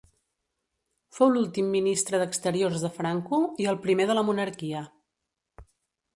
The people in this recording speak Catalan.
Fou l'últim ministre d'Exteriors de Franco i el primer de la Monarquia.